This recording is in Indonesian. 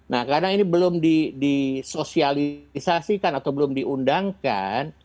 nah karena ini belum disosialisasikan atau belum diundangkan